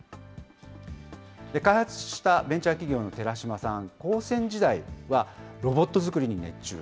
開発したベンチャー企業の寺嶋さん、高専時代はロボットづくりに熱中。